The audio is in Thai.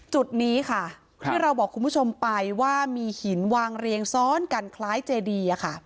จุดนี้ค่ะที่เราบอกคุณผู้ชมไปว่ามีหินวางเรียงซ้อนกันคล้ายเจดี